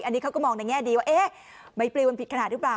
อันนี้เขาก็มองในแง่ดีว่าเอ๊ะใบปลิวมันผิดขนาดหรือเปล่า